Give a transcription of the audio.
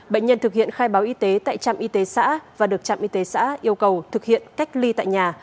bệnh nhân thực hiện khai báo y tế tại trạm y tế xã và được trạm y tế xã yêu cầu thực hiện cách ly tại nhà